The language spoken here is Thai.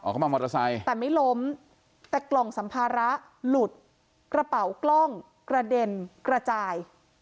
เข้ามามอเตอร์ไซค์แต่ไม่ล้มแต่กล่องสัมภาระหลุดกระเป๋ากล้องกระเด็นกระจาย